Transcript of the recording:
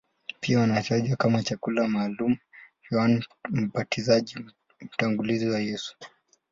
Pia wanatajwa kama chakula maalumu cha Yohane Mbatizaji, mtangulizi wa Yesu.